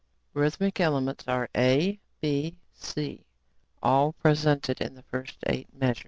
Rhythmic elements are A, B, C, all presented in first 8 meas.